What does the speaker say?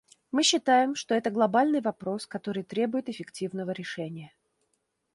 Мы считаем, что это глобальный вопрос, который требует эффективного решения.